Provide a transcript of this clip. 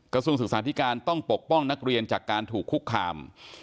กระทรวงศึกษาธิการต้องปกป้องนักเรียนจากการถูกคุกคาม